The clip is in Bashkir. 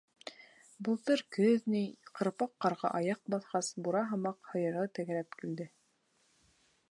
Былтыр көҙ ни, ҡырпаҡ ҡарға аяҡ баҫҡас, бура һымаҡ һыйыры тәгәрәп үлде.